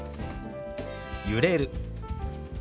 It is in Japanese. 「揺れる」。